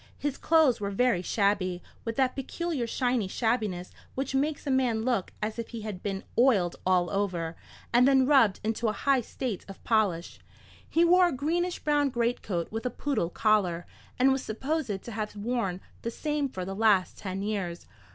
His clothes were very shabby, with that peculiar shiny shabbiness which makes a man look as if he had been oiled all over, and then rubbed into a high state of polish. He wore a greenish brown greatcoat with a poodle collar, and was supposed to have worn the same for the last ten years.